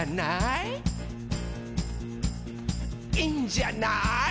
「いいんじゃない？」